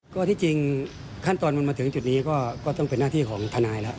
ก็ที่จริงขั้นตอนมันมาถึงจุดนี้ก็ต้องเป็นหน้าที่ของทนายแล้ว